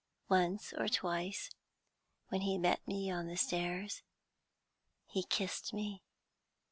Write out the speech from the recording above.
Once or twice, when he met me on the stairs, he kissed me.